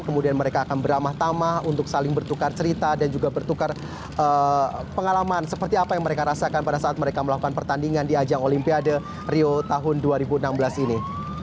kemudian mereka akan beramah tamah untuk saling bertukar cerita dan juga bertukar pengalaman seperti apa yang mereka rasakan pada saat mereka melakukan pertandingan di ajang olimpiade rio tahun dua ribu enam belas ini